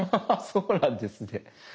そうなんですね。